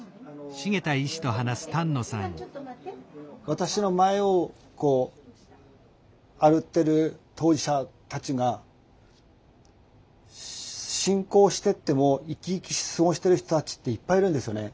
私の前をこう歩いてる当事者たちが進行してっても生き生き過ごしてる人たちっていっぱいいるんですよね。